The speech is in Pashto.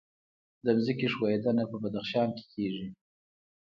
د ځمکې ښویدنه په بدخشان کې کیږي